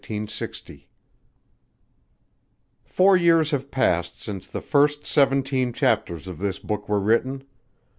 ] Four years have passed since the first seventeen chapters of this book were written.